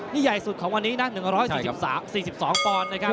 นี่ใหญ่สุดของวันนี้นะ๑๔๒ปอนด์นะครับ